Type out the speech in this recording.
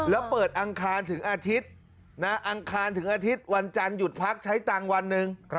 แล้วเปิดอังคารถึงอาทิตย์อังคารถึงอาทิตย์วันจันทร์หยุดพักใช้ตังค์วันหนึ่ง